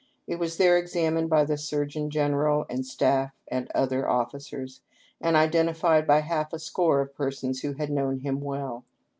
It was there examined by the Surgeon General and staff and other officers, and identified by half a score of persons who had known him well.